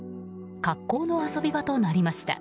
格好の遊び場となりました。